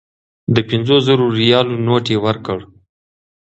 د پنځو سوو ریالو نوټ یې ورکړ.